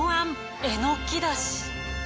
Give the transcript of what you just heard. えのき出汁？